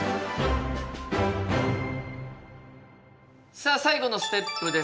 さあ最後のステップです。